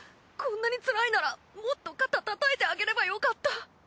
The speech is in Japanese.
こんなにつらいならもっと肩たたいてあげればよかった。